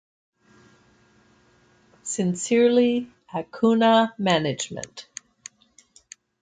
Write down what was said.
Sincerely, Accoona Management.